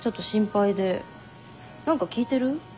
何か聞いてる？